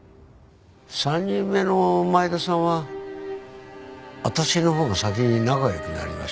３人目の前田さんは私のほうが先に仲良くなりましてね。